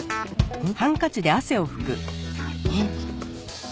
うん！